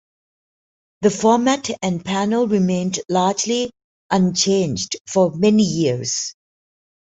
The format and panel remained largely unchanged for many years.